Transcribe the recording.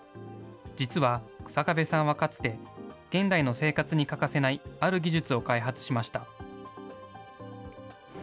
実は、日下部さんはかつて、現代の生活に欠かせないある技術を開発しました。